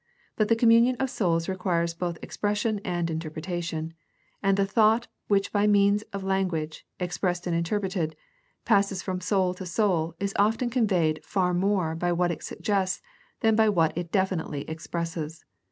But the communion of souls requires both expression and interpretation, and the thought which by means of language, expressed and interpreted, passes from soul to soul is often conveyed far more by what it suggests than by what it definitely expresses.